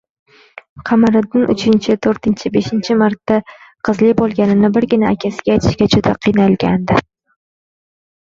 Qamariddin uchinchi, to‘rtinchi, beshinchi marta qizli bo‘lganini birgina akasiga aytishga juda qiynalgandi